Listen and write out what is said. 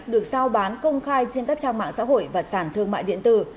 được sao bán công khai trên các trang mạng xã hội và sản thương mại điện tử